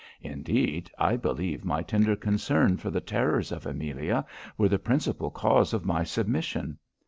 Indeed, I believe my tender concern for the terrors of Amelia were the principal cause of my submission.